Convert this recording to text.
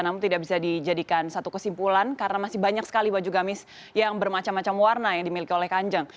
namun tidak bisa dijadikan satu kesimpulan karena masih banyak sekali baju gamis yang bermacam macam warna yang dimiliki oleh kanjeng